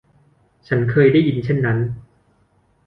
ฉันเคยได้ยินเช่นนั้น